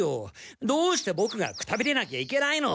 どうしてボクがくたびれなきゃいけないの？